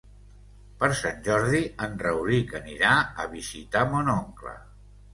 Per Sant Jordi en Rauric anirà a visitar mon oncle.